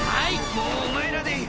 もうお前らでいい。